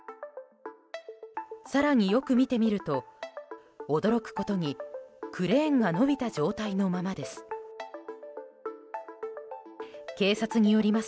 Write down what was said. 更によく見てみると驚くことにクレーンが伸びた状態のままです。